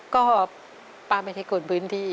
ก็ป้าไม่ใช่คนพื้นที่